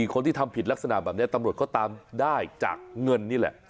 คนที่ทำผิดลักษณะแบบนี้ตำรวจก็ตามได้จากเงินนี่แหละ